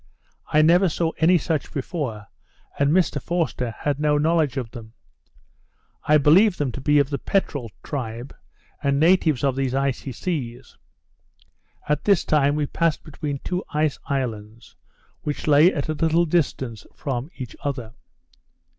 I never saw any such before; and Mr Forster had no knowledge of them. I believe them to be of the peterel tribe, and natives of these icy seas. At this time we passed between two ice islands, which lay at a little distance from each other.